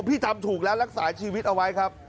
พี่ทำถูกแล้วรักษาชีวิตเอาไว้ครับ